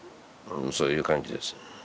そういう感じです。